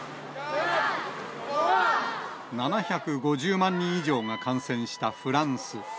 ７５０万人以上が感染したフ